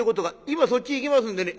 「今そっち行きますんでね」。